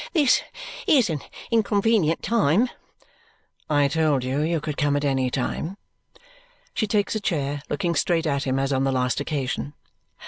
"This is an inconvenient time " "I told you, you could come at any time." She takes a chair, looking straight at him as on the last occasion.